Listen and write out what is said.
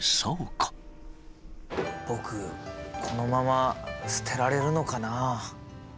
僕このまま捨てられるのかな。